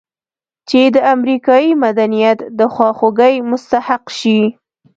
چې د امریکایي مدنیت د خواخوږۍ مستحق شي.